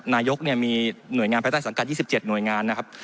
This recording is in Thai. นายกมีหน่วยงานภายใต้สังกัด๒๗หน่วยงานนะครับ